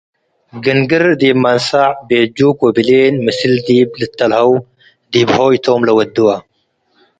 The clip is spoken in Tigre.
"'" ግንግር ዲብ መንሰዕ፤ ቤት-ጁችክ ወብሌን ምስል ዲብ ልተለሀው ዲብ ሆይ ቶም ለወድወ ።